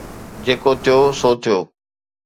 جيڪو ٿيو سو ٿيو.